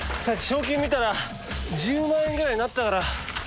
さっき賞金見たら１０万円ぐらいになってたから。